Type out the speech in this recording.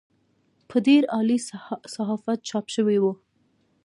په ډېر عالي صحافت چاپ شوې وه.